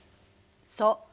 そう。